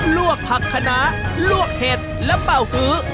รวกผักถนารวกเห็ดและเตาหื้อ